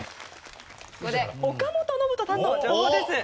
ここで岡本信人さんの情報です。